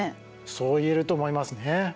そう言えると思いますね。